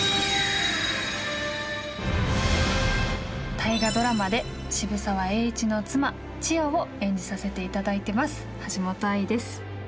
大河ドラマで渋沢栄一の妻千代を演じさせて頂いてます橋本愛です。